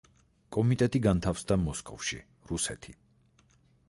კომიტეტი განთავსდა მოსკოვში, რუსეთი.